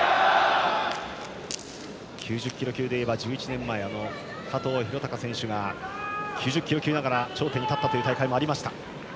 ９０キロ級でいえば１１年間加藤博剛選手が９０キロ級ながら頂点に立った大会もありました。